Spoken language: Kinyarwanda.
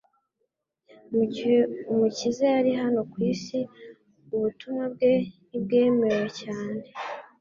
Mu gihe Umukiza yari hano ku isi, ubutumwa bwe ntibwemewe cyane